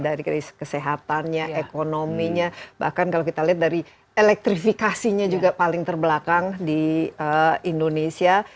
dari krisis kesehatannya ekonominya bahkan kalau kita lihat dari elektrifikasinya juga paling terbelakang di indonesia